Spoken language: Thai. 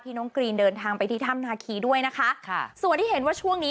น้องกรีนเดินทางไปที่ถ้ำนาคีด้วยนะคะค่ะส่วนที่เห็นว่าช่วงนี้